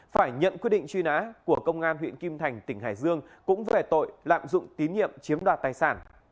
phải nhận quyết định truy nã của công an huyện kim thành tỉnh hải dương cũng về tội lạm dụng tín nhiệm chiếm đoạt tài sản